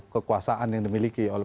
kekuasaan yang dimiliki oleh